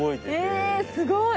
えすごい！